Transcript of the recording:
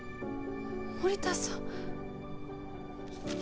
森田さん！